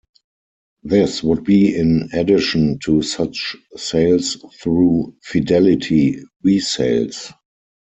This would be in addition to such sales through Fidelity Resales.